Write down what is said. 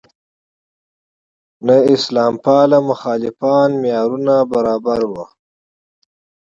نه یې اسلام پاله مخالفان معیارونو برابر وو.